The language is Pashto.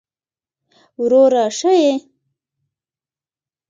وروره ښه يې!